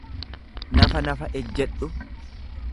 nafanafa ejjedhu.